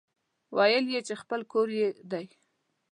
ويل يې چې خپل کور يې دی.